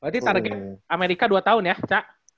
berarti target amerika dua tahun ya cak